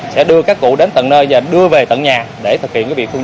sẽ đưa các cụ đến tận nơi và đưa về tận nhà để thực hiện việc thu nhận